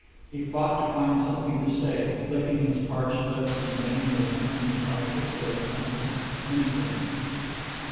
He fought to find something to say, licking his parched lips and vainly attempting to articulate something, anything.